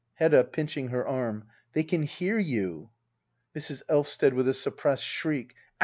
Hedda. [Pinching her arm.] They can hear you ! Mrs, Elvsted. [ With a suppressed shriek.